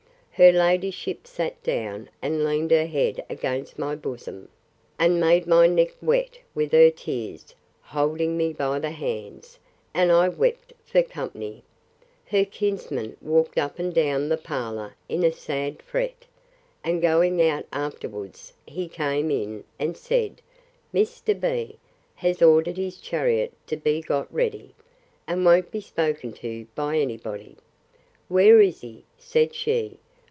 Her ladyship sat down, and leaned her head against my bosom, and made my neck wet with her tears, holding me by the hands; and I wept for company.—Her kinsman walked up and down the parlour in a sad fret; and going out afterwards, he came in, and said, Mr. B—— has ordered his chariot to be got ready, and won't be spoken to by any body. Where is he? said she.